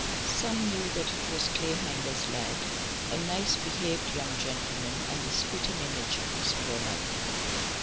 Some knew that it was "Clayhanger's lad," a nice behaved young gentleman, and the spitten image of his poor mother.